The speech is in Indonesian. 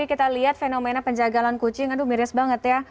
kita lihat fenomena penjagalan kucing aduh miris banget ya